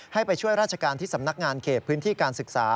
ไปช่วยราชการที่สำนักงานเขตพื้นที่การศึกษา